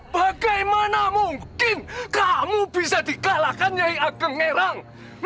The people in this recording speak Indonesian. bagaimana mungkin kamu bisa dikalahkan nyai ageng merah